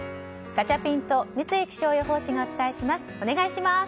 ガチャピンと三井気象予報士がお伝えします、お願いします。